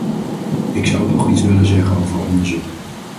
Ik zou ook nog iets willen zeggen over onderzoek.